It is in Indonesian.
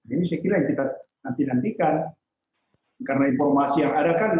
ini saya kira yang kita nanti nantikan karena informasi yang ada kan